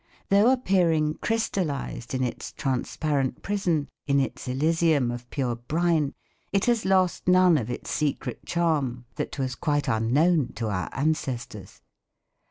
Though appearing crystallized in its transparent prison, in its Elysium of pure brine, it has lost none of its secret charm, that was quite unknown to our ancestors.